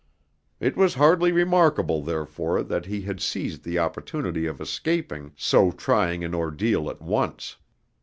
It was hardly remarkable, therefore, that he had seized the opportunity of escaping so trying an ordeal at once.